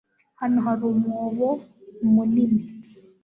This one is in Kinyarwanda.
Hano hari umwobo mu nini